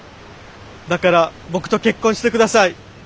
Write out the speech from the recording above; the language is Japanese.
だから僕と結婚してください。